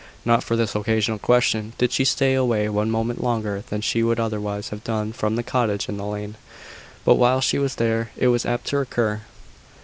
Not for this occasional question did she stay away one moment longer than she would otherwise have done from the cottage in the lane; but while she was there, it was apt to recur.